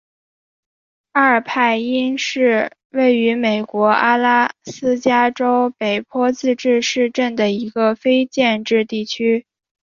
阿尔派因是位于美国阿拉斯加州北坡自治市镇的一个非建制地区。